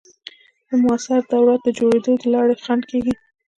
د موثر دولت د جوړېدو د لارې خنډ کېږي.